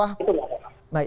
lihat di situ